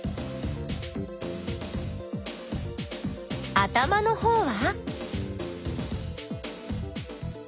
頭のほうは？